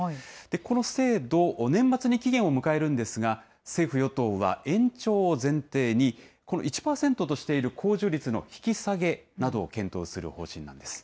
この制度、年末に期限を迎えるんですが、政府・与党は延長を前提に、この１％としている控除率の引き下げなどを検討する方針なんです。